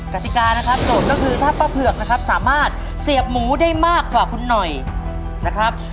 กติกานะครับโจทย์ก็คือถ้าป้าเผือกนะครับสามารถเสียบหมูได้มากกว่าคุณหน่อยนะครับ